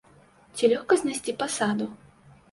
Ці лёгка знайсці пасаду?